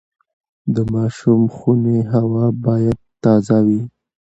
د ماشوم خونې هوا باید تازه وي۔